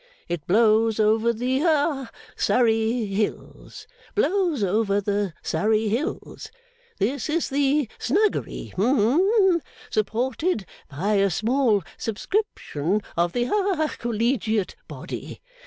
It blows over the ha Surrey hills. Blows over the Surrey hills. This is the Snuggery. Hum. Supported by a small subscription of the ha Collegiate body.